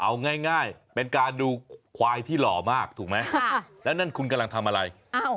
เอาง่ายเป็นการดูควายที่หล่อมากถูกไหมแล้วนั่นคุณกำลังทำอะไร